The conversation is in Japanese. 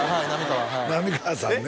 はい浪川さんね